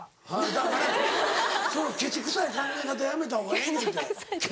だからそのケチくさい考え方やめた方がええねんて。